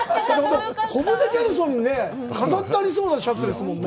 コムデギャルソンに飾ってありそうなシャツですもんね。